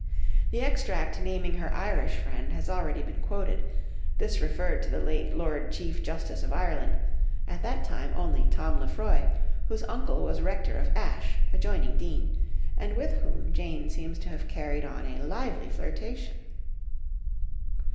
The extract naming her Irish friend has already been quoted, this referred to the late Lord Chief Justice of Ireland, at that time only Tom Lefroy, whose uncle was Rector of Ashe, adjoining Deane, and with whom Jane seems to have carried on a lively flirtation.